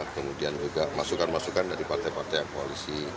kemudian juga masukan masukan dari partai partai koalisi